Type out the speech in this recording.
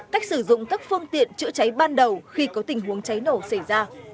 cách sử dụng các phương tiện chữa cháy ban đầu khi có tình huống cháy nổ xảy ra